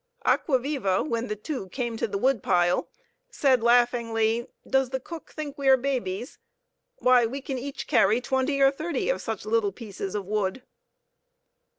Acquaviva, when the two came to the wood pile, said laughingly: "Does the cook think we are babies? Why, we can each carry twenty or thirty of such little pieces of wood."